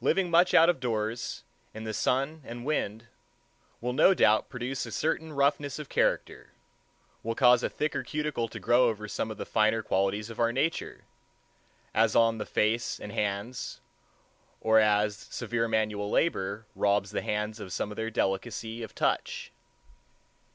Living much out of doors, in the sun and wind, will no doubt produce a certain roughness of character—will cause a thicker cuticle to grow over some of the finer qualities of our nature, as on the face and hands, or as severe manual labor robs the hands of some of their delicacy of touch.